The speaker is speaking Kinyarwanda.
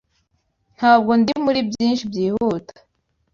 Ntabwo ndi muri byinshi byihuta.